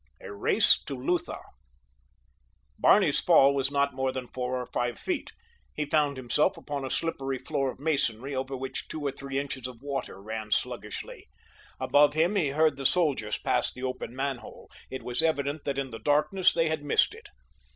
A RACE TO LUTHA Barney's fall was not more than four or five feet. He found himself upon a slippery floor of masonry over which two or three inches of water ran sluggishly. Above him he heard the soldiers pass the open manhole. It was evident that in the darkness they had missed it.